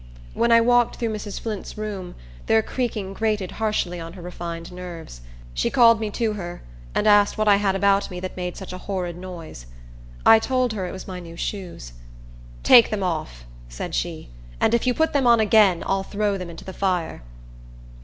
When I walked through Mrs. Flint's room, their creaking grated harshly on her refined nerves. She called me to her, and asked what I had about me that made such a horrid noise. I told her it was my new shoes. "Take them off," said she; "and if you put them on again, I'll throw them into the fire."